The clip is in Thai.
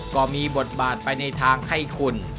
ก็มีบทบาทไปในทางให้คุณ